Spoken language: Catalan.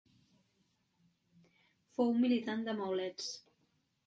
Fou militant de Maulets.